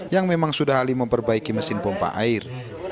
yang memang sudah ahli memperbaiki mesin pompa air